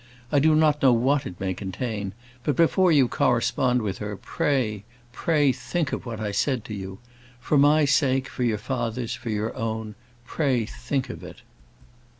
I do not know what it may contain; but before you correspond with her, pray, pray think of what I said to you. For my sake, for your father's, for your own, pray think of it."